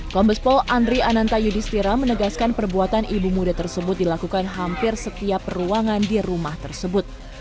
kombes pol andri ananta yudistira menegaskan perbuatan ibu muda tersebut dilakukan hampir setiap peruangan di rumah tersebut